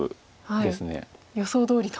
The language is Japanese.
予想どおりと。